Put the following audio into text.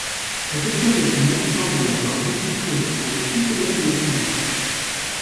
La question pécuniaire semble l’avoir beaucoup préoccupé tout au long de l’expédition.